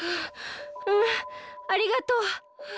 うんありがとう。